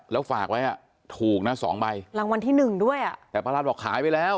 แล้วฝากไว้ถูกนะ๒ใบรางวัลที่๑ด้วยแต่ป้ารัฐบอกขายไปแล้ว